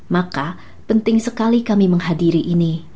maka penting sekali kami menghadiri ini